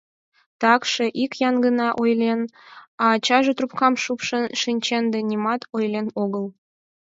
Такше, ик Ян гына ойлен, а ачаже трубкам шупшын шинчен да нимат ойлен огыл.